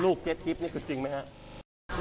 ลูกเก็ตทิพย์นี่คือจริงไหมฮะ